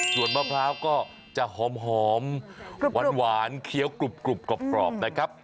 ส่วนมะพร้าวก็จะหอมหวานเคี้ยวกรุบกรอบนะครับ